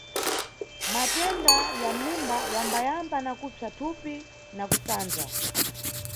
Matenda ya mʼmimba yambayamba na kupsa thupi na kusandza.